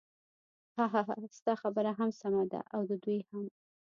ههه ستا خبره هم سمه ده او د دوی هم.